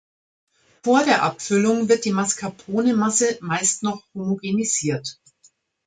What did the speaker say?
Vor der Abfüllung wird die Mascarpone-Masse meist noch homogenisiert.